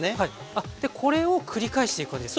あっこれを繰り返していく感じですか？